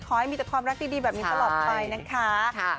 ขอให้มีแต่ความรักดีแบบนี้ตลอดไปนะคะ